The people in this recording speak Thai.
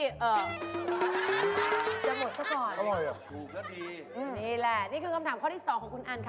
จะหมดซะก่อนเลยค่ะนี่แหละนี่คือคำถามข้อที่๒ของคุณอันค่ะ